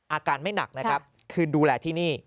อาการไม่หนักนะครับคือดูแลที่นี่